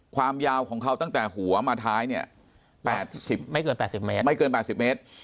ความยาวของเขาตั้งแต่หัวมาท้ายเนี่ยไม่เกิน๘๐เมตร